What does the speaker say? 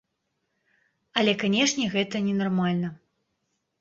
Але канешне гэта ненармальна.